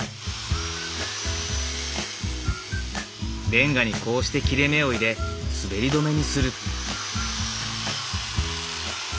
レンガにこうして切れ目を入れ滑り止めにする。